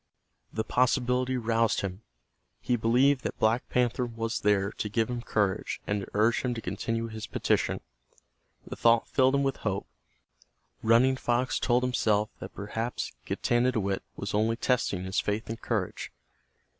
The possibility roused him. He believed that Black Panther was there to give him courage and to urge him to continue his petition. The thought filled him with hope. Running Fox told himself that perhaps Getanittowit was only testing his faith and courage.